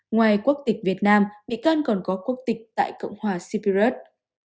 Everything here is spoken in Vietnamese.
ngoài quốc tịch việt nam bican còn có quốc tịch tại cộng hòa separate